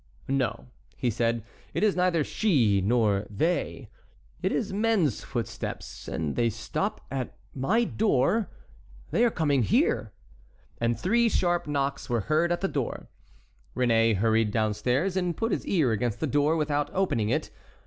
"No," he said, "it is neither she nor they; it is men's footsteps, and they stop at my door—they are coming here." And three sharp knocks were heard at the door. Réné hurried downstairs and put his ear against the door, without opening it.